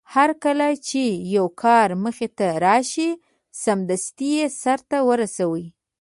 هرکله چې يو کار مخې ته راشي سمدستي يې سرته ورسوي.